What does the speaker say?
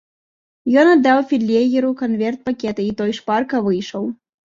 Ён аддаў фельд'егеру канверт пакета, і той шпарка выйшаў.